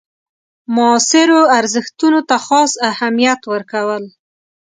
معاصرو ارزښتونو ته خاص اهمیت ورکول.